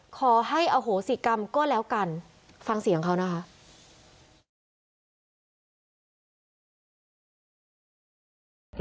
ขอให้อโหสิกรรมก็แล้วกันฟังเสียงเขานะคะ